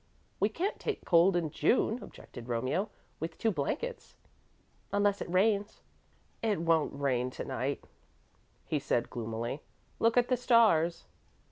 "We can't take cold in June," objected Romeo, "with two blankets." "Unless it rains." "It won't rain tonight," he said, gloomily; "look at the stars!"